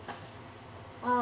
ああ。